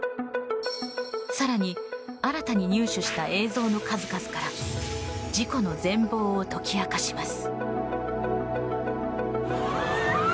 更に、新たに入手した映像の数々から事故の全貌を解き明かします。